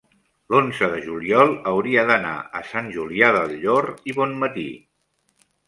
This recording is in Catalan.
l'onze de juliol hauria d'anar a Sant Julià del Llor i Bonmatí.